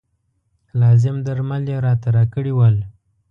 لازم درمل یې راته راکړي ول.